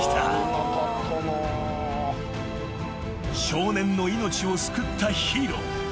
［少年の命を救ったヒーロー］